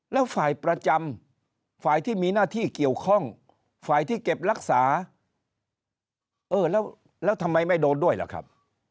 แล้วฝ่ายประจำฝ่ายที่มีหน้าที่เกี่ยวข้องฝ่ายที่เก็บรักษาเออแล้วทำไมไม่โดนด้วยล่ะครับ